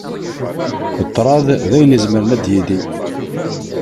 Ṭṭraḍ d ayen izemren ad d-yili.